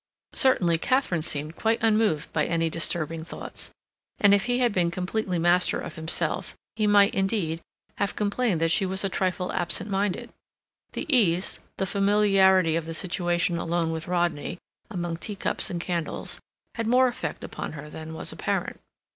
Certainly Katharine seemed quite unmoved by any disturbing thoughts; and if he had been completely master of himself, he might, indeed, have complained that she was a trifle absent minded. The ease, the familiarity of the situation alone with Rodney, among teacups and candles, had more effect upon her than was apparent.